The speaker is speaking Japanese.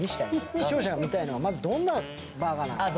視聴者が見たいのは、まずどんなバーガーか。